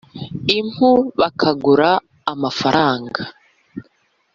impu bakagura amafaranga.